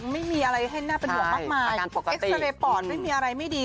ไม่มีอะไรเช่นน่าประดูกมากมายอักการปกติเอ็กซาเรย์ปอนด์ไม่มีอะไรไม่ดี